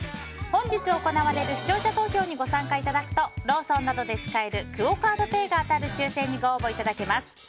本日行われる視聴者投票にご参加いただくとローソンなどで使えるクオ・カードペイが当たる抽選にご応募いただけます。